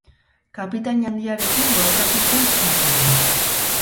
Kapitain Handiarekin borrokatu zen Napolin.